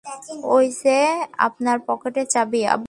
ওই যে আপনার পকেটে চাবি!